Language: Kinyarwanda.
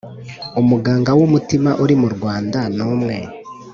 umuganga w'umutima uri mu rwanda ni umwe